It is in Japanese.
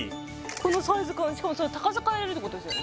このサイズ感しかも高さ変えれるってことですよね？